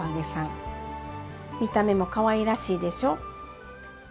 見た目もかわいらしいでしょ。